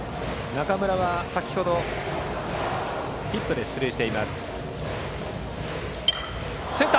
中村は先程ヒットで出塁しています。